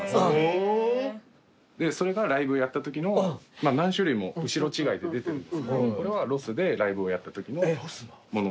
それがライブやったときの何種類も後ろ違いで出てるんですけどこれはロスでライブをやったときのもので。